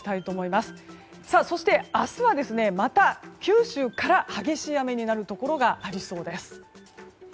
そして、明日はまた九州から激しい雨になるところがありそうです。